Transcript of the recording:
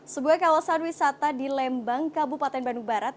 sebuah kawasan wisata di lembang kabupaten bandung barat